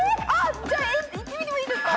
じゃあいってみてもいいですか？